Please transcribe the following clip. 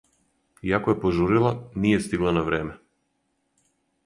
Иако је пожурила, није стигла на време.